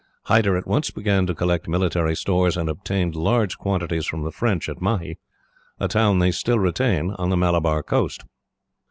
Hyder at once began to collect military stores, and obtained large quantities from the French at Mahe, a town they still retain, on the Malabar coast.